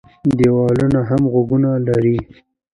ـ دیوالونه هم غوږونه لري.